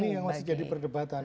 ini yang masih jadi perdebatan